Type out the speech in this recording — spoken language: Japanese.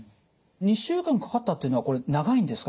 ２週間かかったっていうのはこれ長いんですか？